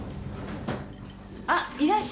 あっいらっしゃい。